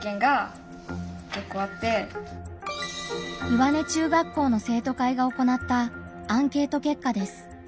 岩根中学校の生徒会が行ったアンケート結果です。